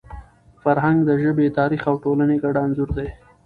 فرهنګ د ژبي، تاریخ او ټولني ګډ انځور دی.